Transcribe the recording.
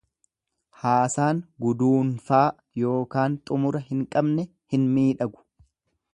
Haasaan guduunfaa yookaan xumura hin qabne hin miidhagu.